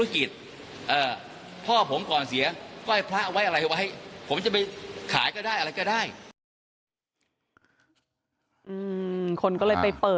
คนก็เลยไปเปิด